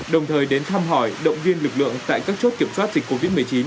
đồng thời đến thăm hỏi động viên lực lượng tại các chốt kiểm soát dịch covid một mươi chín